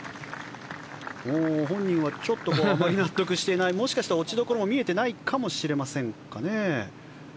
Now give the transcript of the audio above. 本人はちょっとあまり納得していないようなもしかしたら落ちどころも見えていないかもしれませんが。